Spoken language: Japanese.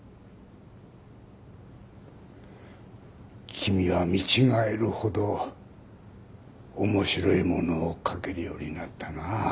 君は見違えるほど面白いものを書けるようになったな。